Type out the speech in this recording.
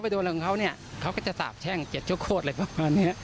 โดนอะไรของเขาเนี่ยเขาก็จะสาบแช่งเจ็ดเจ้าโคตรอะไรประมาณเนี้ย